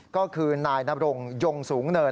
ก็คือนายนบรงยงสูงเนิน